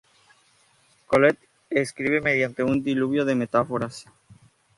Colette escribe mediante un diluvio de metáforas.